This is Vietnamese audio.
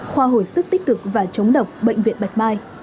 khoa hồi sức tích cực và chống độc bệnh viện bạch mai